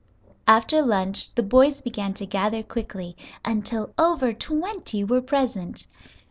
After lunch the boys began to gather quickly, until over twenty were present.